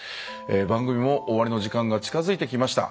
番組も終わりの時間が近づいてきました。